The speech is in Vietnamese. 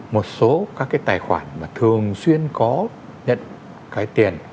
một số các cái tài khoản mà thường xuyên có nhận cái tiền